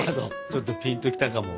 ちょっとピンと来たかも。